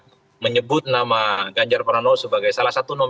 dan p tiga jauh jauh hari juga menyebut nama ganjar pranowo sebagai salah satu nomor